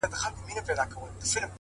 د بدمستۍ برزخ ته ټول عقل سپارمه ځمه _